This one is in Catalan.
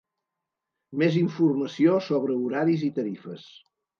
Més informació sobre horaris i tarifes.